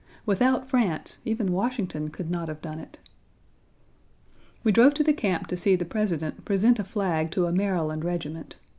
Without France even Washington could not have done it. We drove to the camp to see the President present a flag to a Maryland regiment.